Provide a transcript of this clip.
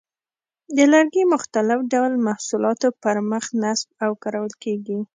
د لرګي مختلف ډول محصولاتو پر مخ نصب او کارول کېږي.